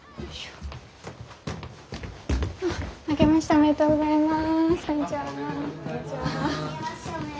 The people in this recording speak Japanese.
おめでとうございます。